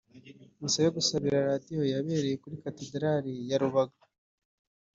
Misa yo gusabira Radio yabereye muri Katedarali ya Rubaga